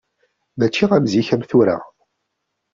Mačči am zik am tura.